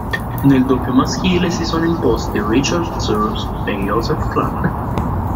Nel doppio maschile si sono imposti Richard Sears e Joseph Clark.